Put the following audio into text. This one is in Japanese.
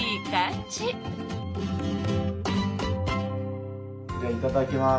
じゃあいただきます。